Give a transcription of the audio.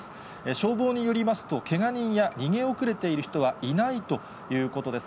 消防によりますと、けが人や逃げ遅れている人はいないということです。